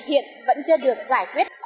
hiện vẫn chưa được giải quyết